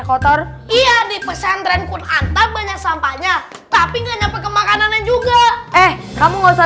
kotor iya di pesantren kunantan banyak sampahnya tapi nggak nyampe ke makanan juga eh kamu usah